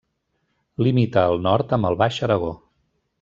Limita al nord amb el Baix Aragó.